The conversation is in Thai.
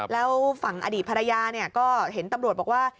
แล้วฝั่งอดีตภรรยาก็เห็นตำรวจบอกว่า